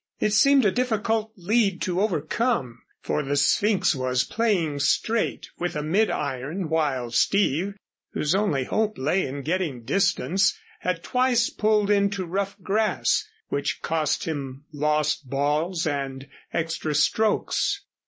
It seemed a difficult lead to overcome, for the Sphynx was playing straight with a mid iron, while Steve, whose only hope lay in getting distance, had twice pulled into rough grass, which cost him lost balls and extra strokes.